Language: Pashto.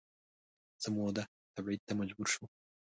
څه موده تبعید ته مجبور شو